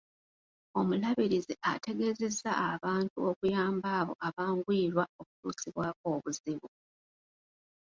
Omulabirizi ategeezezza abantu okuyamba abo abanguyirwa okutuusibwako obuzibu .